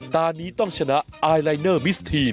ตอนนี้ต้องชนะไอลายเนอร์มิสทีน